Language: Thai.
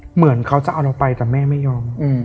เหมือนเขาจะเอาเราไปแต่แม่ไม่ยอม